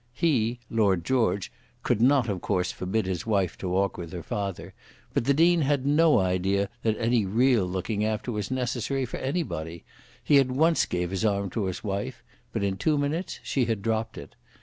He, Lord George, could not of course forbid his wife to walk with her father; but the Dean had no idea that any real looking after was necessary for anybody. He at once gave his arm to his wife, but in two minutes she had dropped it.